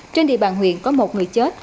trên địa bàn huyện có một người chết